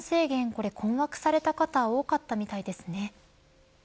これ困惑された方多かったみたいですね。